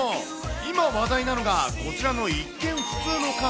今話題なのが、こちらの一見普通の傘。